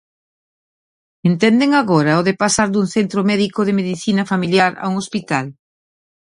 Entenden agora o de pasar dun centro médico de medicina familiar a un hospital?